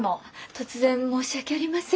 突然申し訳ありません。